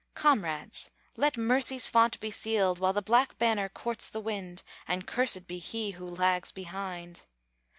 Comrades! let Mercy's font be sealed, While the black banner courts the wind, And cursed be he who lags behind!